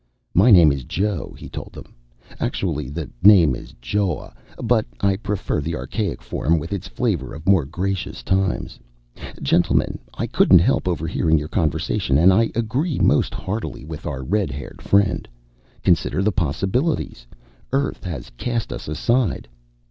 "My name is Joe," he told them. "Actually, the name is Joao; but I prefer the archaic form with its flavor of more gracious times. Gentlemen, I couldn't help overhearing your conversation, and I agree most heartily with our red haired friend. Consider the possibilities! Earth has cast us aside?